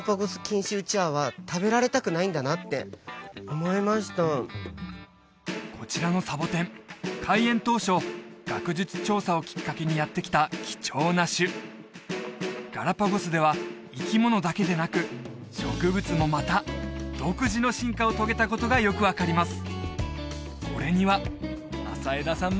すごいえっすっごい高くってこちらのサボテン開園当初学術調査をきっかけにやって来た貴重な種ガラパゴスでは生き物だけでなく植物もまた独自の進化を遂げたことがよく分かります